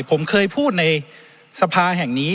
ผมเคยพูดในสภาแห่งนี้